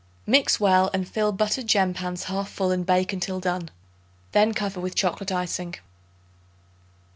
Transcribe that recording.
Mix well and fill buttered gem pans 1/2 full and bake until done. Then cover with chocolate icing.